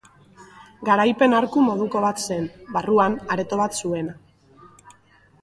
Garaipen arku moduko bat zen, barruan areto bat zuena.